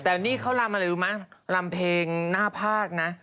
แต่นี่เขารำอะไรรู้ไหมลำเพลงหน้าภาคนะ